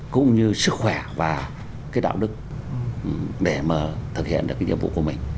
cũng như sức khỏe và cái đạo đức để mà thực hiện được cái nhiệm vụ của mình